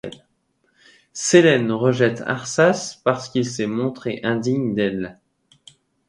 Sélène rejette Arsace parce qu'il s'est montré indigne d'elle.